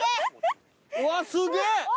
うわすげぇ！